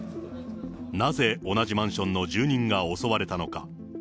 なぜ同じマンションの住人が襲われたのか。